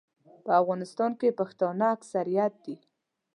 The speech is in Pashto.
په افغانستان کې پښتانه اکثریت دي.